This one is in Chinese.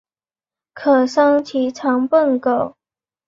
可升级成奔狗。